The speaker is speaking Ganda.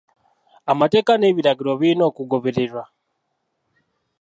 Amateeka n'ebiragiro birina okugobererwa.